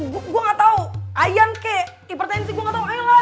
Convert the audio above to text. gue gak tau ayan kek ipertensi gue gak tau ayo lah